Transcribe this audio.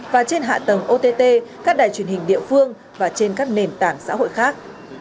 các tầng ott các đài truyền hình địa phương và trên các nền tảng xã hội khác